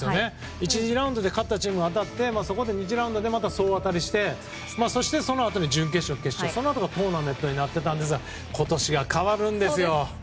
１次ラウンドで勝ったチームが当たって２次ラウンドでまた総当たりしてそして、そのあとに準決勝、決勝そのあとがトーナメントになっていたんですが今年は変わるんですよ。